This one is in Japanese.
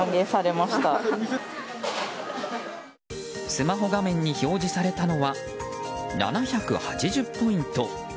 スマホ画面に表示されたのは７８０ポイント。